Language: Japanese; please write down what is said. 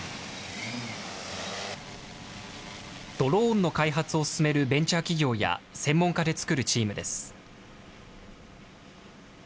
ドローンの開発を進めるベンチャー企業や専門家で作るチームです。